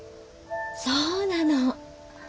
そうなの！